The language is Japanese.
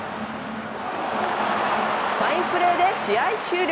ファインプレーで試合終了！